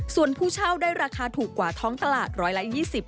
ส่วนผู้เช่าได้ราคาถูกกว่าท้องตลาด๑๒๐